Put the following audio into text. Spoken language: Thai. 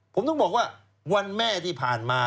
ผมต้องบอกว่าวันแม่ที่ผ่านมา